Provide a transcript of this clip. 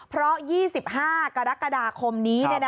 เพราะ๒๕กรกฎาคมนี้